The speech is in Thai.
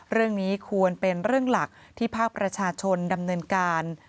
เรื่องนี้ควรเป็นเรื่องหลักที่ภาคประชาชนดำเนินการ